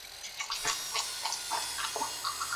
林肯县是美国奥克拉荷马州中部的一个县。